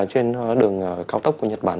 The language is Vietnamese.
trên đường cao tốc của nhật bản